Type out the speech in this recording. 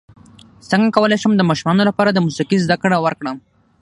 څنګه کولی شم د ماشومانو لپاره د موسیقۍ زدکړه ورکړم